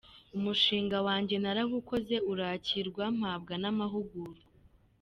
Umushinga wanjye narawukoze urakirwa mpabwa n’amahugurwa.